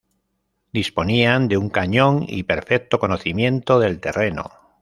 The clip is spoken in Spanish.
Disponían de un cañón y perfecto conocimiento del terreno.